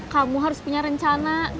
kamu harus punya rencana